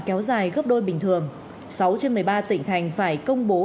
sáu trên một mươi ba tỉnh thành phải công bố